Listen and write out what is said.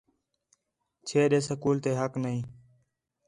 چھے ݙے سکول تے حق نی